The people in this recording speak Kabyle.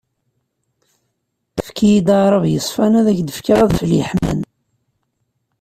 Fki-yid aɛrab yeṣfan, ad ak-fkeɣ adfel yeḥman.